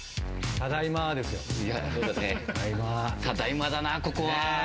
ただいまだな、ここは。